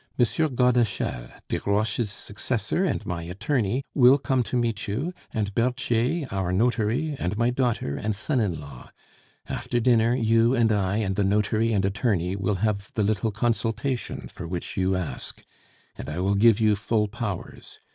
Godeschal, Desroches' successor and my attorney, will come to meet you, and Berthier, our notary, and my daughter and son in law. After dinner, you and I and the notary and attorney will have the little consultation for which you ask, and I will give you full powers.